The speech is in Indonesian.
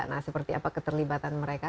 nah seperti apa keterlibatan mereka